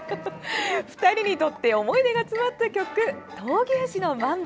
２人にとって思い出が詰まった曲「闘牛士のマンボ」。